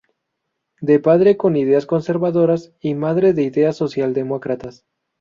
De padre con ideas conservadoras y madre de ideales socialdemócratas.